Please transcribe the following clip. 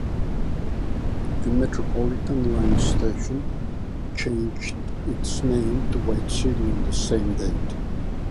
The Metropolitan line station changed its name to White City on the same date.